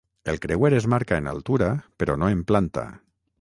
El creuer es marca en altura però no en planta.